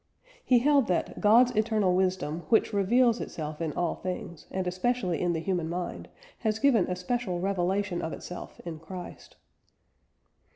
He held that "God's eternal wisdom, which reveals itself in all things, and especially in the human mind, has given a special revelation of itself in Christ."